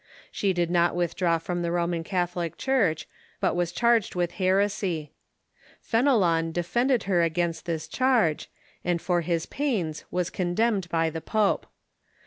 She did not withdraw from the Roman Catholic Church, but was charged with heresy. Fenelon defended her against this charge, and for his pains was condemned by the pope.